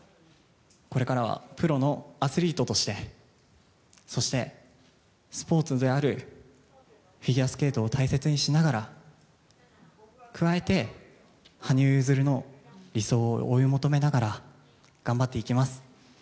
これからはプロのアスリートとして、そして、スポーツであるフィギュアスケートを大切にしながら、加えて、羽生結弦の理想を追い求めながら、頑張っていきます。